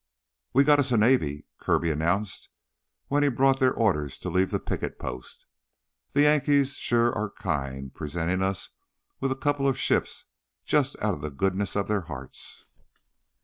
"We got us a navy," Kirby announced when he brought their order to leave the picket post. "The Yankees sure are kind, presentin' us with a couple of ships jus' outta the goodness of their hearts."